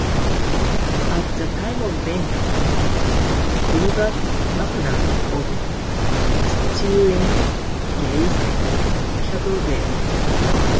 At the time the vendor, Gilbert MacNab of Stirling, grazed cattle there.